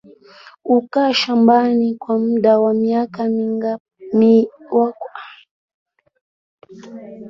hukaa shambani kwa muda wa miaka mingiMojawapo ya urithi wapewayo watoto ni kihamba